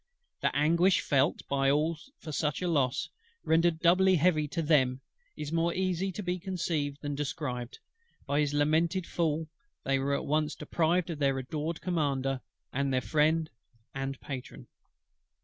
The anguish felt by all for such a loss, rendered doubly heavy to them, is more easy to be conceived than described: by his lamented fall they were at once deprived of their adored commander, and their friend and patron.